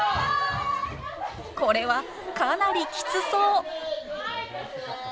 これはかなりきつそう！